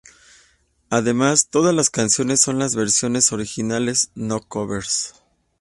Además, todas las canciones son las versiones originales, no covers.